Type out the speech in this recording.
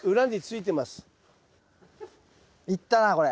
いったなこれ。